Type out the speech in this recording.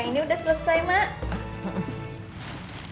ini udah selesai mak